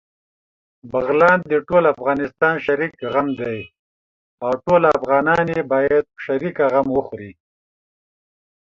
بغلان دټول افغانستان شريک غم دی، او ټول افغانان يې باېد په شريکه غم وخوري